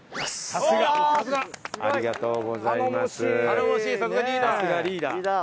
さすがリーダー！